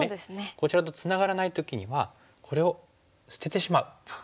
こちらとつながらない時にはこれを捨ててしまう。